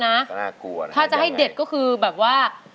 น่ากลัวนะถ้าจะให้เด็ดก็คือแบบว่า